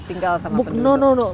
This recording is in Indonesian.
tinggal sama penduduk